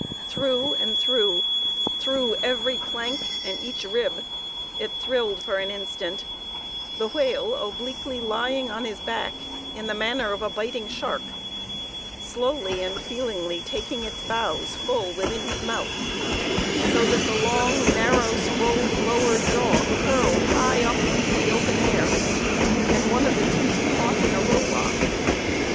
Through and through; through every plank and each rib, it thrilled for an instant, the whale obliquely lying on his back, in the manner of a biting shark, slowly and feelingly taking its bows full within his mouth, so that the long, narrow, scrolled lower jaw curled high up into the open air, and one of the teeth caught in a row lock.